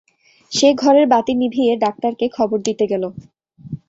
সে ঘরের বাতি নিভিয়ে ডাক্তারকে খবর দিতে গেল।